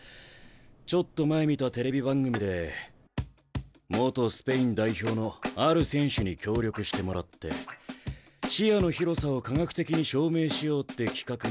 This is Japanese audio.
ちょっと前見たテレビ番組で元スペイン代表のある選手に協力してもらって視野の広さを科学的に証明しようって企画があった。